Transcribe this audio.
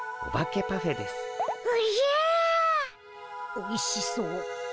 おいしそう。